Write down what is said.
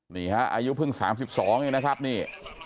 นี่ครับอายุพึ่ง๓๒นะครับนี่